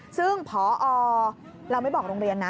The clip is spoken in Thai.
ซึ่งพอเราไม่บอกโรงเรียนนะ